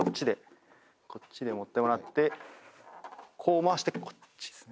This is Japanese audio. こっちで持ってもらってこう回してこっちですね。